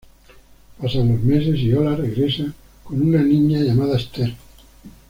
Pasan los meses y Ola regresa con una niña llamada Esther.